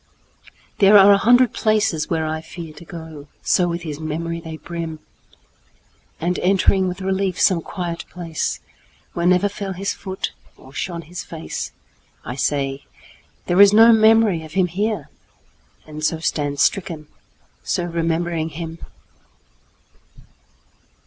There are a hundred places where I fearTo go,—so with his memory they brim! And entering with relief some quiet placeWhere never fell his foot or shone his faceI say, "There is no memory of him here!"And so stand stricken, so remembering him!